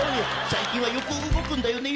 最近はよく動くんだよね。